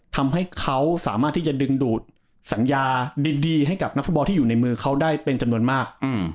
ทำให้เขาสามารถที่จะดึงดูดสัญญาดีให้กับนักฟุตบอลที่อยู่ในมือเขาได้เป็นจำนวนมาก